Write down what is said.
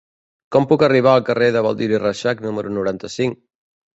Com puc arribar al carrer de Baldiri Reixac número noranta-cinc?